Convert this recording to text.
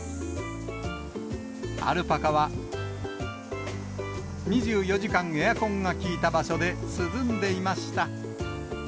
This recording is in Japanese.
アルパカは２４時間エアコンが効いた場所で涼んでいました。